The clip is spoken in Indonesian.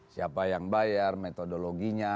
siapa yang bayar metodologinya